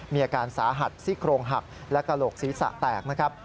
มีอาการสาหัสซี่โครงหักและกระโหลกศีรษะแตกนะครับ